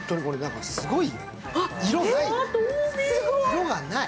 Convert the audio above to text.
色が、ない。